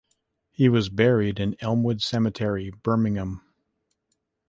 He was buried in Elmwood Cemetery, Birmingham.